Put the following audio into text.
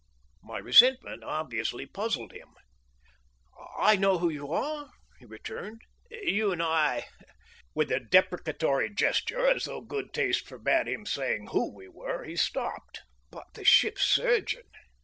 My resentment obviously puzzled him. "I know who you are," he returned. "You and I " With a deprecatory gesture, as though good taste forbade him saying who we were, he stopped. "But the ship's surgeon!"